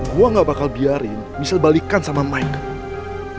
gue gak bakal biarin michelle balikan sama mike